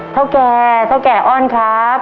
เจ้าแก่เจ้าแก่อ่อนครับ